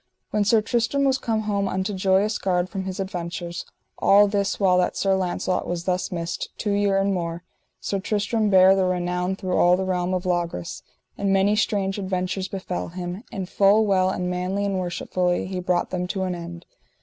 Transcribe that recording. When Sir Tristram was come home unto Joyous Gard from his adventures, all this while that Sir Launcelot was thus missed, two year and more, Sir Tristram bare the renown through all the realm of Logris, and many strange adventures befell him, and full well and manly and worshipfully he brought them to an end.